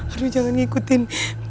aduh jangan ngikutin